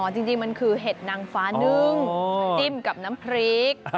จริงมันคือเห็ดนางฟ้านึ่งจิ้มกับน้ำพริก